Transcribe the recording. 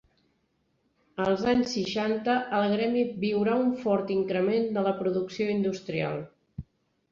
Els anys seixanta el Gremi viurà un fort increment de la producció industrial.